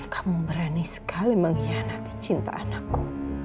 kamu berani sekali mengkhianati cinta anakku